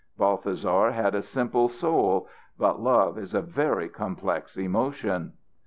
Balthasar had a simple soul, but love is a very complex emotion.